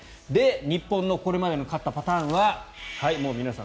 日本のこれまでの勝ったパターンはもう皆さん